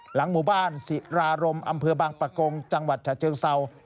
หลังหมู่บ้านศิรารมอำเภอบางปะกงจังหวัดฉะเชิงเศร้า